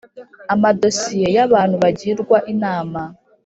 amadosiye y’abantu bagirwa inama,